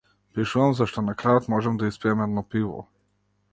Пишувам зашто на крајот можам да испијам едно пиво.